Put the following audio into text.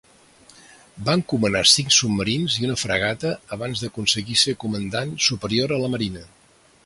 Va encomanar cinc submarins i una fragata abans d'aconseguir ser comandant superior a la marina.